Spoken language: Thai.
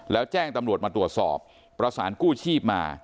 แล้วแจ้งตำรวจมาตรวจสอบประสานกู้ชีพมา